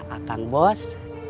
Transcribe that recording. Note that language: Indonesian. terima kasih kang bos